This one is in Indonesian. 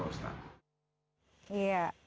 terima kasih pak ustadz